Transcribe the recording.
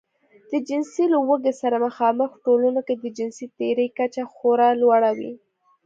د جنسي لوږې سره مخامخ ټولنو کې د جنسي تېري کچه خورا لوړه وي.